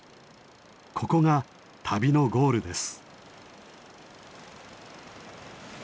ここが旅のゴールです。